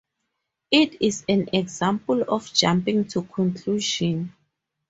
It is an example of jumping to conclusions.